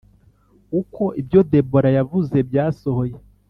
uko ibyo Debora yavuze byasohoye